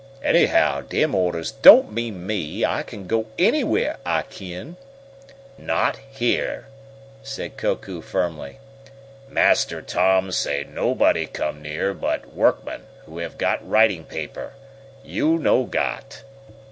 "Anyhow, dem orders don't mean me! I kin go anywhere, I kin!" "Not here!" said Koku firmly. "Master Tom say let nobody come near but workmen who have got writing paper. You no got!"